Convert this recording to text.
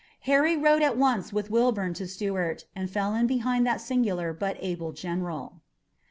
Harry rode at once with Wilbourn to Stuart and fell in behind that singular but able general.